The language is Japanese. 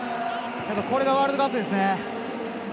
これがワールドカップですね。